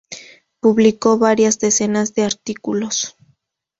Publicó varias decenas de artículos.